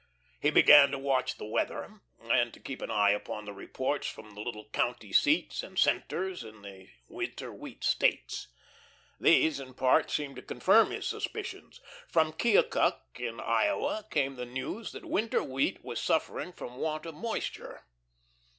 He began to watch the weather, and to keep an eye upon the reports from the little county seats and "centres" in the winter wheat States. These, in part, seemed to confirm his suspicions. From Keokuk, in Iowa, came the news that winter wheat was suffering from want of moisture.